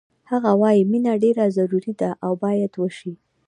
هغه وایی مینه ډېره ضروري ده او باید وشي